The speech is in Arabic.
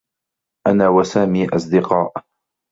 أنا و سامي أصدقاء.